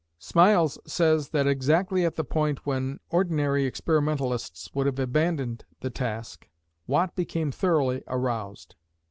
Smiles says that exactly at the point when ordinary experimentalists would have abandoned the task, Watt became thoroughly aroused.